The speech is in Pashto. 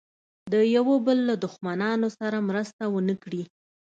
د یوه بل له دښمنانو سره مرسته ونه کړي.